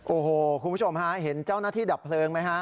โอ้โหคุณผู้ชมฮะเห็นเจ้าหน้าที่ดับเพลิงไหมฮะ